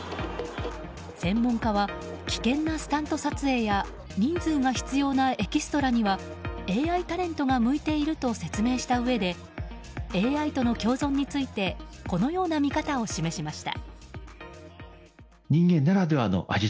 専門家は危険なスタント撮影や人数が必要なエキストラにはＡＩタレントが向いていると説明したうえでＡＩとの共存についてこのような見方を示しました。